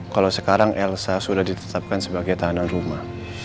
kalau sekarang elsa sudah ditetapkan sebagai tahanan rumah